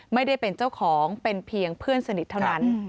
ไม่ได้เป็นเจ้าของเป็นเพียงเพื่อนสนิทเท่านั้น